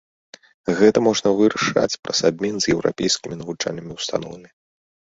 Гэта можна вырашаць праз абмен з еўрапейскімі навучальнымі ўстановамі.